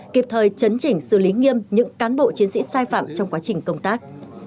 kịp thời chấn chỉnh xử lý nghiêm những cán bộ chiến sĩ sai phạm trong quá trình công tác